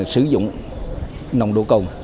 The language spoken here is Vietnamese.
sử dụng nồng độ cầu